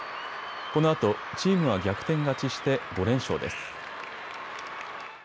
このあとチームは逆転勝ちして５連勝です。